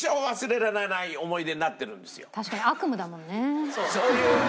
確かに悪夢だもんね。